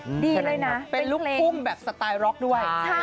ดีเลยนะเป็นลูกทุ่งแบบสไตล็อกด้วย